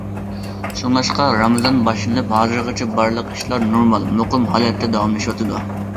شۇڭلاشقا رامىزان باشلىنىپ ھازىرغىچە بارلىق ئىشلار نورمال، مۇقىم ھالەتتە داۋاملىشىۋاتىدۇ.